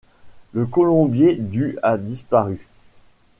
Le colombier du a disparu.